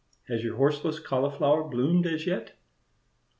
Has your horseless cauliflower bloomed as yet?"